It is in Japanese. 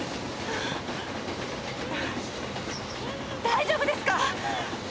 大丈夫ですか？